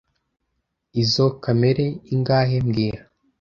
Izoi kamera ingahe mbwira